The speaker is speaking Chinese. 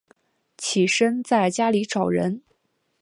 起身在家里找人